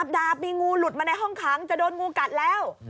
ดาบมีงูหลุดมาในห้องขังจะโดนงูกัดแล้ว